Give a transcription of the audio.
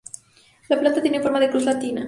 La planta tiene forma de cruz latina.